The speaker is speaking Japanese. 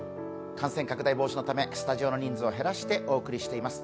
感染拡大防止のためスタジオの人数を減らしてお送りしております。